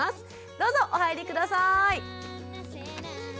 どうぞお入り下さい。